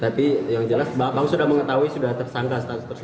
tapi yang jelas bahwa sudah mengetahui sudah tersangka